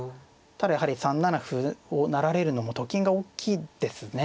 ただやはり３七歩を成られるのもと金が大きいですね。